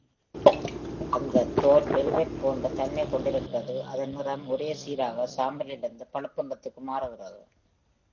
அந்த தோல் வெல்வெட் போன்ற தன்மை கொண்டிருக்கிறது. அதன் நிறம் ஒரே சீராக சாம்பலிலிருந்து பழுப்பு நிறத்திற்கு மாறுகிறது.